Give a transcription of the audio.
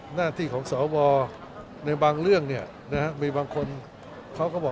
หน้าที่ของสวในบางเรื่องเนี่ยนะฮะมีบางคนเขาก็บอก